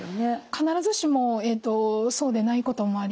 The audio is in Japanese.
必ずしもそうでないこともあります。